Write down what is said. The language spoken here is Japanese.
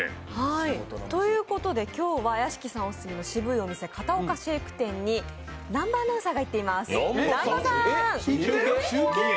今日は屋敷さんオススメのシブいお店、片岡シェーク店に南波アナウンサーが行っています。